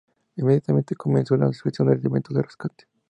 Inmediatamente comenzó la extracción del elemento de rescate.